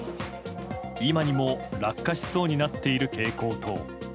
今にも落下しそうになっている蛍光灯。